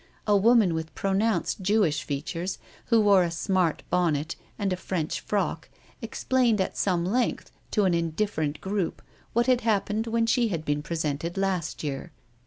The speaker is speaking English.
A woman with pronounced Jewish features, who wore a smart bonnet and a French frock, explained at some length to an in different group what had happened when she had been presented last year.